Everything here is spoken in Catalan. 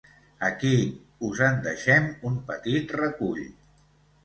Aquí us en deixem un petit recull.